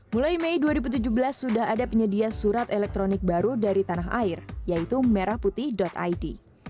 mulai mei dua ribu tujuh belas sudah ada penyedia surat elektronik baru dari tanah air yaitu merah putih id